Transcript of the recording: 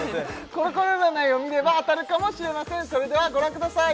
コロコロ占いを見れば当たるかもしれませんそれではご覧ください